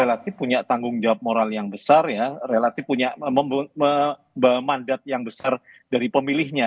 relatif punya tanggung jawab moral yang besar ya relatif punya mandat yang besar dari pemilihnya